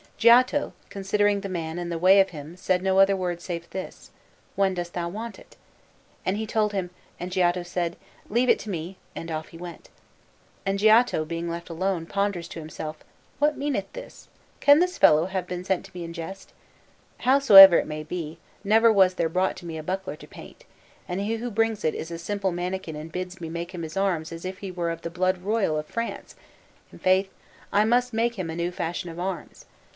Giotto, considering the man and the way of him, said no other word save this, 'When dost thou want it?' And he told him; and Giotto said, 'Leave it to me'; and off he went. And Giotto, being left alone, ponders to himself, 'What meaneth this? Can this fellow have been sent to me in jest? Howsoever it may be, never was there brought to me a buckler to paint, and he who brings it is a simple manikin and bids me make him his arms as if he were of the blood royal of France; i' faith, I must make him a new fashion of arms.'